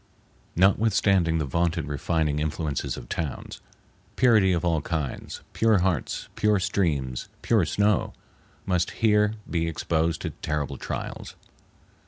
Notwithstanding the vaunted refining influences of towns, purity of all kinds—pure hearts, pure streams, pure snow—must here be exposed to terrible trials.